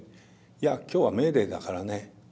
「いや今日はメーデーだからね。